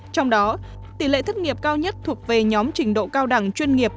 trong đó tỷ lệ thất nghiệp cao nhất thuộc về nhóm trình độ cao đẳng chuyên nghiệp tám ba mươi sáu